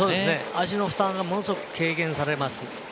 脚の負担がものすごく軽減されます。